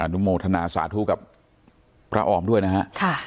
นุโมทนาสาธุกับพระออมด้วยนะฮะ